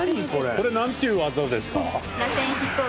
これ何ていう技ですか？